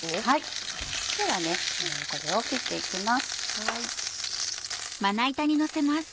ではこれを切っていきます。